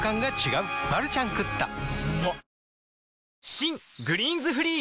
新「グリーンズフリー」